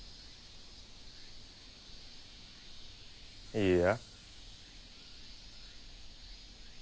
いいや。